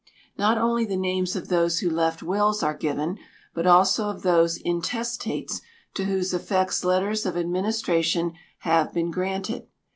Not only the names of those who left wills are given, but also of those intestates to whose effects letters of administration have been granted.